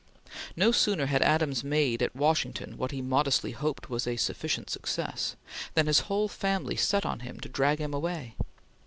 No sooner had Adams made at Washington what he modestly hoped was a sufficient success, than his whole family set on him to drag him away.